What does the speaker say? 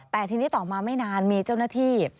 แต่ทีนี้ต่อมาไม่นานมีเจ้าหน้าที่